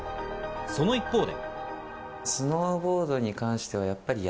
その一方で。